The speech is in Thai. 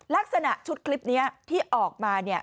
ลักษณะชุดคลิปนี้ที่ออกมาเนี่ย